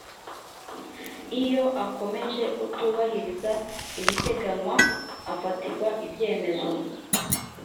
iyo akomeje kutubahiriza ibiteganywa afatirwa ibyemezo